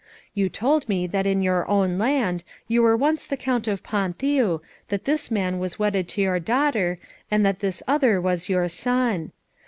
You told me that in your own land you were once the Count of Ponthieu, that this man was wedded to your daughter, and that this other was your son.